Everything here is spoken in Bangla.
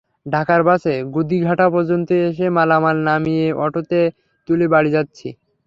ঢাকার বাসে গুদিঘাটা পর্যন্ত এসে মালামাল নামিয়ে অটোতে তুলে বাড়ি যাচ্ছি।